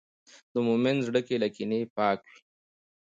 د مؤمن زړه له کینې پاک وي.